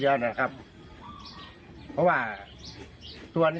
ก็เลยอยากให้หมอปลาเข้ามาช่วยหน่อยค่ะ